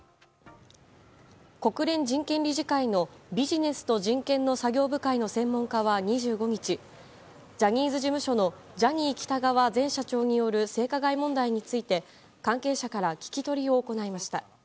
国連人権理事会のビジネスと人権の作業部会の専門家は２５日ジャニーズ事務所のジャニー喜多川前社長による性加害問題について関係者から聞き取りを行いました。